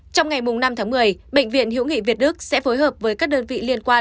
trong ngày năm tháng một mươi bệnh viện hữu nghị việt đức sẽ phối hợp với các đơn vị liên quan